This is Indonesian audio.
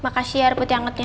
makasih air putih angetnya